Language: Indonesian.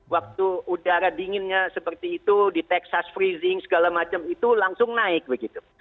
waktu udara dinginnya seperti itu di texas freezing segala macam itu langsung naik begitu